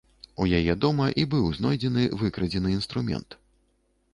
У яе дома і быў знойдзены выкрадзены інструмент.